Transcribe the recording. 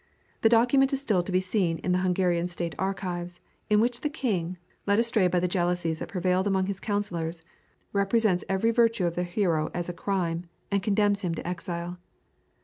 The document is still to be seen in the Hungarian State Archives, in which the king, led astray by the jealousies that prevailed among his councillors, represents every virtue of the hero as a crime, and condemns him to exile.